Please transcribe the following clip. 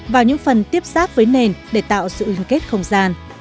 vào những phần tiếp xác với nền để tạo sự hình kết không gian